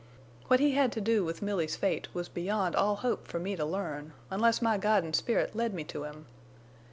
What he had to do with Milly's fate was beyond all hope for me to learn, unless my guidin' spirit led me to him!